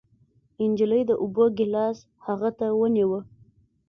نجلۍ د اوبو ګېلاس هغه ته ونيو.